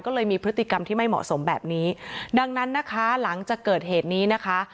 ก็เลยมีพฤติกรรมที่ไม่เหมาะสมแบบนี้ดังนั้นนะคะหลังจากเกิดเหตุนี้นะคะ